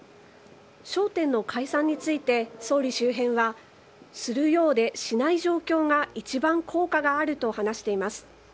焦点の解散について、総理周辺はするようでしない状況が一番効果があると話しています。